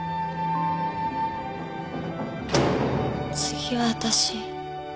次は私。